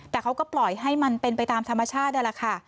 แต่เขาก็ปล่อยให้มันเป็นไปตามธรรมชาตินั่นแหละค่ะ